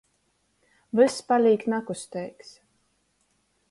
Vyss palīk nakusteigs.